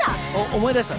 思い出した？